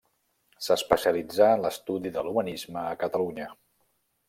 S'especialitzà en l'estudi de l'humanisme a Catalunya.